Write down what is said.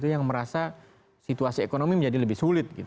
yang merasa situasi ekonomi menjadi lebih sulit